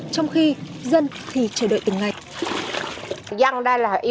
trong khi dân thì chờ đợi từng ngày